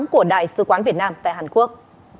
của đại sứ quán việt nam tại hàn quốc